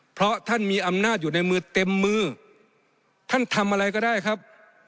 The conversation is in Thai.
เพราะท่านมีอำนาจอยู่ในมือเต็มมือท่านทำอะไรก็ได้ครับ